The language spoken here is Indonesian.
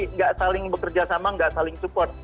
tidak saling bekerja sama nggak saling support